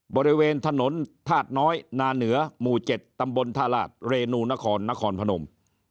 บริเวณถนนธาตุน้อยนาเหนือหมู่๗ตำบลธาราชเรนูนครนครพนม